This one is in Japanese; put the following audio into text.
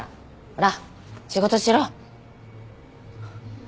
ほら仕事しろ。